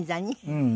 うん。